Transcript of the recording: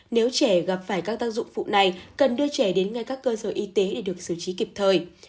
nếu trẻ gặp phải các tác dụng phụ này cần đưa trẻ đến ngay các cơ sở y tế để được xử trí kịp thời